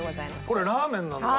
これラーメンなんだ。